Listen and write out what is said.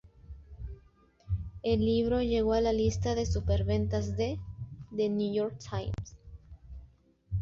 El libro llegó a la lista de superventas de "The New York Times".